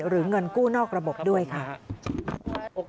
หรือเงินกู้นอกระบบด้วยครับ